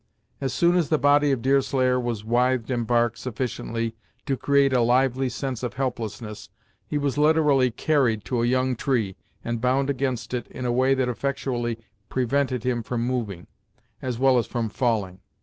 As soon as the body of Deerslayer was withed in bark sufficiently to create a lively sense of helplessness, he was literally carried to a young tree, and bound against it in a way that effectually prevented him from moving, as well as from falling.